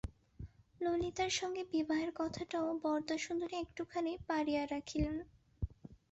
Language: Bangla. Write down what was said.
ললিতার সঙ্গে বিবাহের কথাটাও বরদাসুন্দরী একটুখানি পাড়িয়া রাখিলেন।